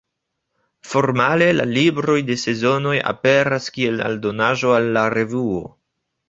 Formale la libroj de Sezonoj aperas kiel aldonaĵo al la revuo.